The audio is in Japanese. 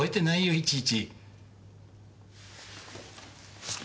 いちいち。